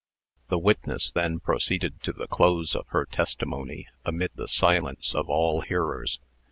The witness then proceeded to the close of her testimony, amid the silence of all hearers.